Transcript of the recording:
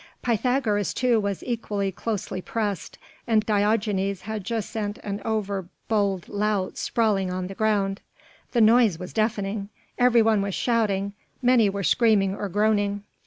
Pythagoras, too, was equally closely pressed, and Diogenes had just sent an over bold lout sprawling on the ground. The noise was deafening. Every one was shouting, many were screaming or groaning.